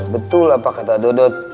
betul apa kata dodot